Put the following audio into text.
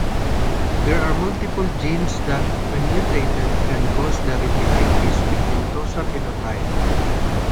There are multiple genes that, when mutated, can cause the retinitis pigmentosa phenotype.